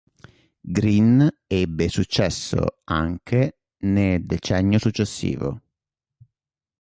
Green ebbe successo anche ne decennio successivo.